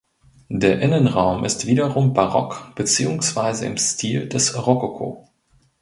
Der Innenraum ist wiederum barock beziehungsweise im Stil des Rokoko.